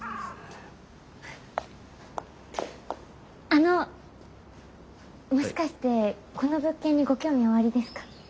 あのもしかしてこの物件にご興味おありですか？